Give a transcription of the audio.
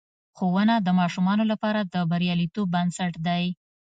ښوونه د ماشومانو لپاره د بریالیتوب بنسټ دی.